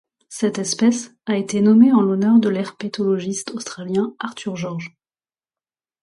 Cette espèce a été nommée en l'honneur de l'herpétologiste australien Arthur Georges.